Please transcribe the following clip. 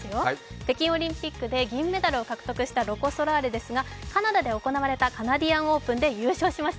北京オリンピックで銀メダルを獲得したロコ・ソラーレですがカナダで行われたカナディアンオープンで優勝しました。